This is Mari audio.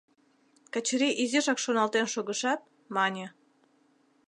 Качырий изишак шоналтен шогышат, мане: